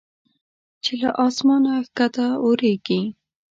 چې له اسمانه کښته اوریږي